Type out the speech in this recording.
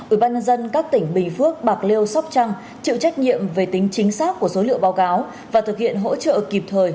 ubnd các tỉnh bình phước bạc liêu sóc trăng chịu trách nhiệm về tính chính xác của số liệu báo cáo và thực hiện hỗ trợ kịp thời